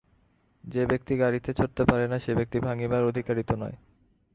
যে ব্যক্তি গড়িতে পারে না সে ব্যক্তি ভাঙিবার অধিকারী তো নয়।